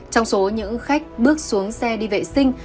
trong số những khách bước xuống xe đi vệ sinh